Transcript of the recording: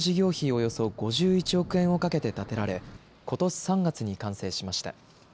およそ５１億円をかけて建てられことし３月に完成しました。